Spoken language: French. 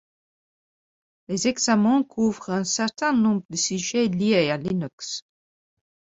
Les examens couvrent un certain nombre de sujets liés à Linux.